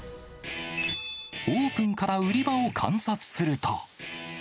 オープンから売り場を観察すると。